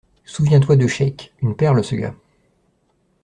Souviens-toi de Cheik, une perle ce gars.